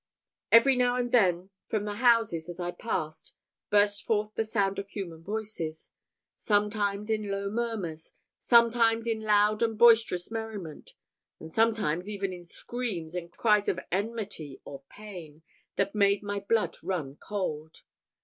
Every now and then from the houses as I passed burst forth the sound of human voices; sometimes in low murmurs, sometimes in loud and boisterous merriment; and sometimes even in screams and cries of enmity or pain, that made my blood run cold.